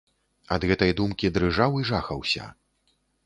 Ад гэтай думкі дрыжаў і жахаўся.